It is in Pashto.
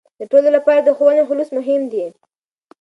د ټولو لپاره د ښوونې خلوص مهم دی.